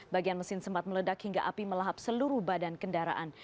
bagian mesin sempat meledak hingga api melahap seluruh badan kendaraan